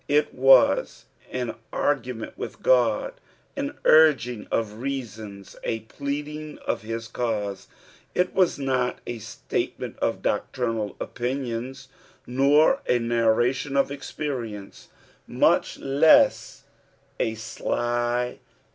It was tn argument with Ood, an urging of reasons, a pleading of hia cause. It was not a statement of doctrinal ofnnioua, nor t, uairation of experience, much leas a sly PSALV THB THIBTIETH.